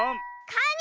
カニ